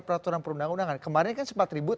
peraturan perundang undangan kemarin kan sempat ribut